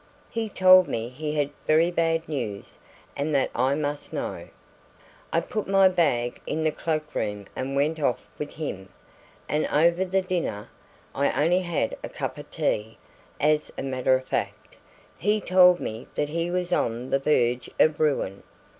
He told me he had very bad news and that I must know. "I put my bag in the cloak room and went off with him, and over the dinner I only had a cup of tea, as a matter of fact he told me that he was on the verge of ruin.